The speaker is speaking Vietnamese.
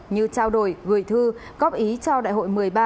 như trao đổi gửi thư góp ý cho đại hội một mươi ba